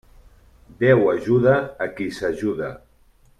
Déu ajuda a qui s'ajuda.